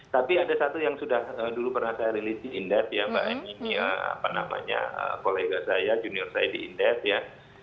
tapi ada satu yang sudah dulu pernah saya rilis di indef ya mbak emia apa namanya kolega saya junior saya di indef ya